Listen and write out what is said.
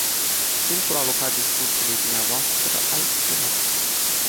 Timpul alocat discursului dumneavoastră a expirat.